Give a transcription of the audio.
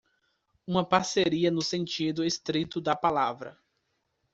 Uma parceria no sentido estrito da palavra.